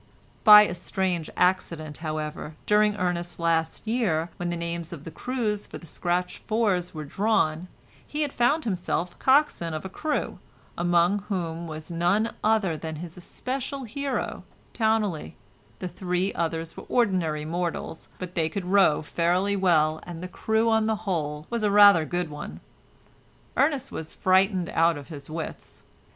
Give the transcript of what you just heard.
By a strange accident, however, during Ernest's last year, when the names of the crews for the scratch fours were drawn he had found himself coxswain of a crew, among whom was none other than his especial hero Towneley; the three others were ordinary mortals, but they could row fairly well, and the crew on the whole was rather a good one. Ernest was frightened out of his wits.